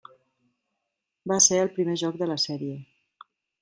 Va ser el primer joc de la sèrie.